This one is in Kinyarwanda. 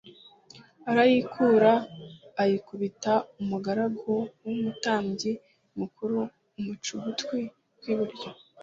arayikura ayikubita umugaragu w umutambyi mukuru amuca ugutwi kw iburyo